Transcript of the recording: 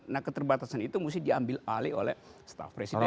nah keterbatasan itu mesti diambil oleh staff presiden